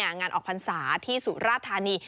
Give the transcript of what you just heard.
งานออกพรรษาที่สุราธานี